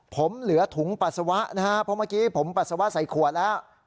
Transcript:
ผมเหลือถุงปัสสาวะนะฮะเพราะเมื่อกี้ผมปัสสาวะใส่ขวดแล้ว